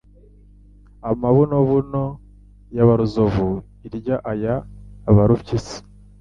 amabunobuno ya Baruzovu irya aya Barupyisi